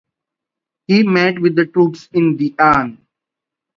He met with the troops in Di An.